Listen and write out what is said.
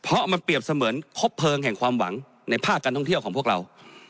เพราะมันเปรียบเสมือนครบเพลิงแห่งความหวังในภาคการท่องเที่ยวของพวกเรา